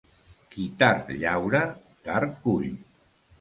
Qui tard llaura, tard cull.